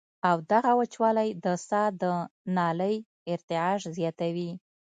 او دغه وچوالی د ساه د نالۍ ارتعاش زياتوي